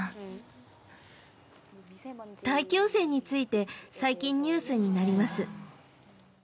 大気汚染について最近ニュースになります。